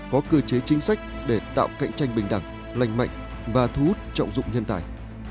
có cơ chế chính sách để tạo cạnh tranh bình đẳng lành mạnh và thu hút trọng dụng nhân tài